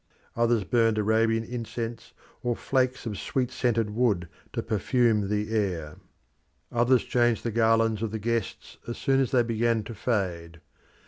Others burnt Arabian incense or flakes of sweet scented wood to perfume the air. Others changed the garlands of the guests as soon as they began to fade.